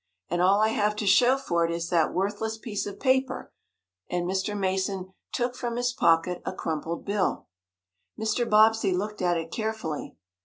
And all I have to show for it is that worthless piece of paper!" and Mr. Mason took from his pocket a crumpled bill. Mr. Bobbsey looked at it carefully.